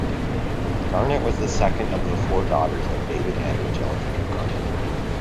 Garnett was the second of the four daughters of David and Angelica Garnett.